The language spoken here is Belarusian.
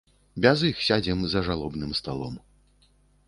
Без іх сядзем за жалобным сталом.